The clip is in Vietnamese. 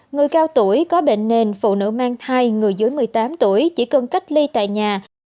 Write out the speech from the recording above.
người cao tuổi có bệnh nền phụ nữ mang thai người dưới một mươi tám tuổi chỉ cần cách ly tại nhà